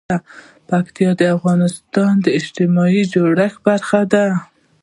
پکتیکا د افغانستان د اجتماعي جوړښت برخه ده.